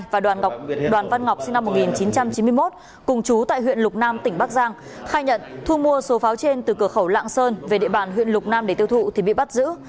và đoàn văn ngọc sinh năm một nghìn chín trăm chín mươi một cùng chú tại huyện lục nam tỉnh bắc giang khai nhận thu mua số pháo trên từ cửa khẩu lạng sơn về địa bàn huyện lục nam để tiêu thụ thì bị bắt giữ